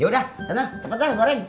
yaudah tenang cepet dah goreng